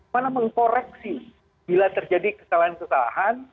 mana mengkoreksi bila terjadi kesalahan kesalahan